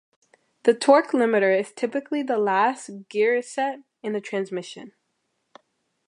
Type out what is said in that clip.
The torque limiter is typically the last gearset in the transmission.